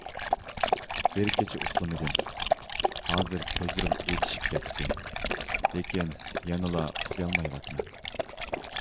بىر كېچە ئۇخلىمىدىم، ھازىر كۆزلىرىم ئېچىشىپ كەتتى، لېكىن يەنىلا ئۇخلىيالمايۋاتىمەن.